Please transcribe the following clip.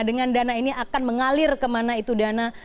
dengan dana ini akan mengalir kemana itu dana